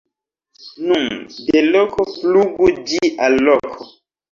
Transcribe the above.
Nun de loko flugu ĝi al loko...